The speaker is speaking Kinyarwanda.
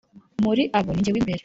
muri abo ni jye w imbere